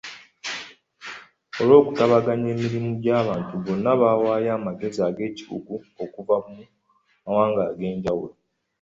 Olw’okutabaganya emirimu gy’abantu bonna abawaayo amagezi ag’ekikugu okuva mu mawanga ag’enjawulo.